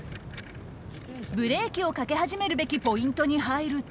ブレーキをかけ始めるべきポイントに入ると。